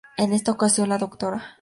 En esta ocasión la Dra.